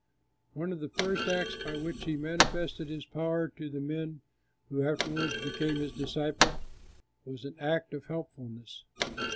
One of the first acts by which He manifested His power to the men who afterwards became His disciples, was an act of helpfulness.